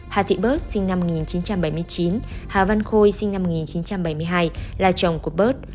hà thị bớt sinh năm một nghìn chín trăm bảy mươi chín hà văn khôi sinh năm một nghìn chín trăm bảy mươi hai là chồng của bớt